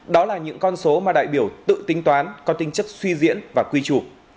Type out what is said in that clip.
đó là những con số mà đại biểu tự tính toán có tinh chất suy diễn và quy trục